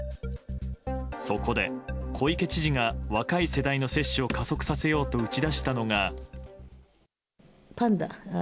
そこで小池知事が若い世代の接種を加速させようと打ち出したのが。